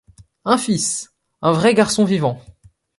Un fils ! Un vrai garçon vivant !